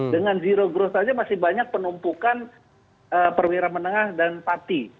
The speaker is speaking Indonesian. dengan zero growth saja masih banyak penumpukan perwira menengah dan pati